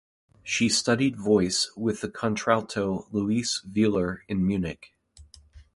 She studied voice with the contralto Luise Willer in Munich.